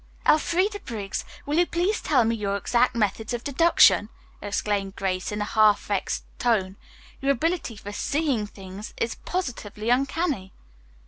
"Elfreda Briggs, will you please tell me your exact method of deduction!" exclaimed Grace in a half vexed tone. "Your ability for 'seeing things' is positively uncanny."